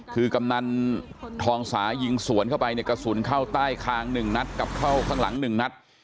คือกำนันทองสายิงสวนเข้าไปเนี่ยกระสุนเข้าใต้คาง๑นัดกับเข้าข้างหลัง๑นัด